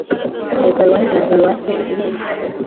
Ya paruwase na paruwase irerwa